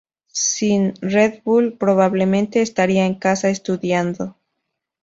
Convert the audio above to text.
Sin Red Bull, probablemente estaría en casa estudiando"".